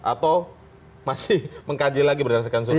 atau masih mengkaji lagi berdasarkan suruh ini